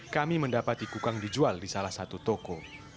kami mendapati kukang dijual di salah satu toko